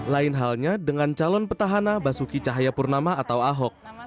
lain halnya dengan calon petahana basuki cahayapurnama atau ahok